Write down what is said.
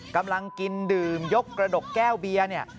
กำลังกินดื่มยกระดกแก้วเบียร์เนี่ย